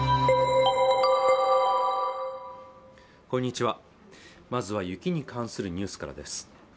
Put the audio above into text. こんにちはまずは雪に関するニュースからです